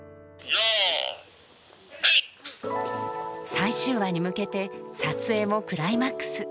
最終話に向けて撮影もクライマックス。